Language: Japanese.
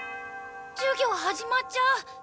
授業始まっちゃう！